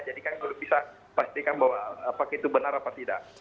jadi kami belum bisa pastikan bahwa apakah itu benar atau tidak